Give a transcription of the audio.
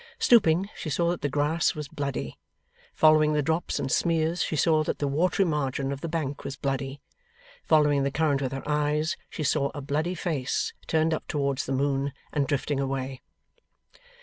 Stooping, she saw that the grass was bloody. Following the drops and smears, she saw that the watery margin of the bank was bloody. Following the current with her eyes, she saw a bloody face turned up towards the moon, and drifting away.